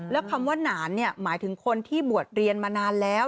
แล้วคำว่าหนานหมายถึงคนที่บวชเรียนมานานแล้ว